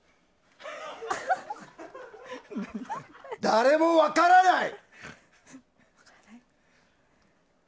誰も分からない。